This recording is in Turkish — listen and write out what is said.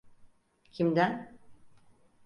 Kimden?